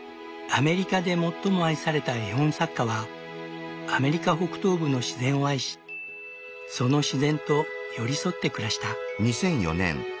アメリカで最も愛された絵本作家はアメリカ北東部の自然を愛しその自然と寄り添って暮らした。